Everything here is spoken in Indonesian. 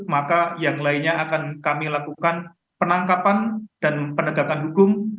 maka yang lainnya akan kami lakukan penangkapan dan penegakan hukum